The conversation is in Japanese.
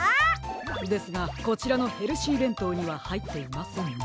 ですがこちらのヘルシーべんとうにははいっていませんね。